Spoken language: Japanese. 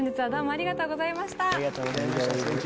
ありがとうございます。